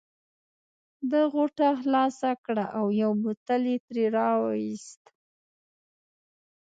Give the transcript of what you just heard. ده غوټه خلاصه کړه او یو بوتل یې ترې را وایست.